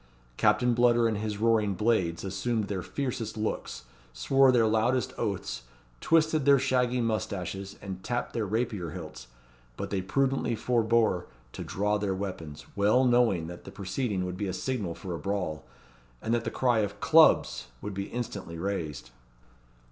Captain Bludder and his roaring blades assumed their fiercest looks, swore their loudest oaths, twisted their shaggy moustaches, and tapped their rapier hilts; but they prudently forbore to draw their weapons, well knowing that the proceeding would be a signal for a brawl, and that the cry of "Clubs!" would be instantly raised.